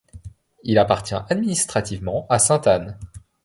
Il appartient administrativement à Sainte-Anne.